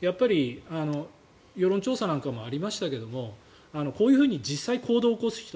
やっぱり世論調査なんかもありましたがこういうふうに実際に行動を起こす人